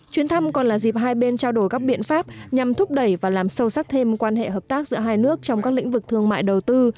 chuyến thăm còn là dịp hai bên trao đổi các biện pháp nhằm thúc đẩy và làm sâu sắc thêm quan hệ hợp tác giữa hai nước trong các lĩnh vực thương mại đầu tư